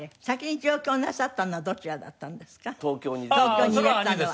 東京にいらしたのは。